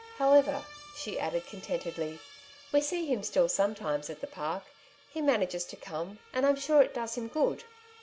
'' However," she added contentedly, '' we see him still sometimes at the Park ; he manages to come, and I'm sure it does him good."